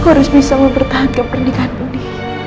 aku harus bisa mempertahankan pernikahan budi